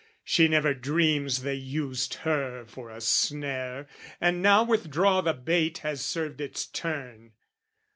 "She never dreams they used her for a snare, "And now withdraw the bait has served its turn.